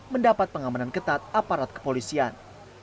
mendapat pengamanan ketat aparat kepolisian